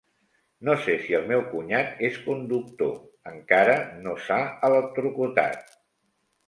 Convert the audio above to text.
No sé si el meu cunyat és conductor, encara no s'ha electrocutat.